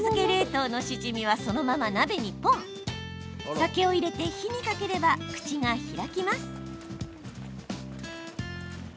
酒を入れて火にかければ口が開きます。